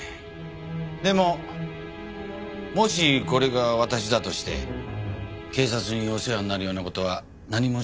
でももしこれが私だとして警察にお世話になるような事は何もしてませんよね？